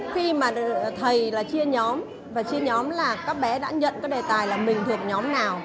khi mà thầy là chia nhóm và chia nhóm là các bé đã nhận cái đề tài là mình thuộc nhóm nào